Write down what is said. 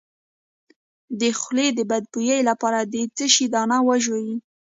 د خولې د بد بوی لپاره د څه شي دانه وژويئ؟